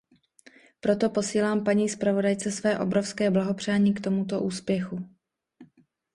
Proto posílám paní zpravodajce své obrovské blahopřání k tomuto úspěchu.